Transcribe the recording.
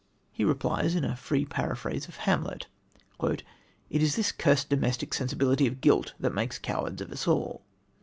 He replies in a free paraphrase of Hamlet: "It is this cursed domestic sensibility of guilt that makes cowards of us all."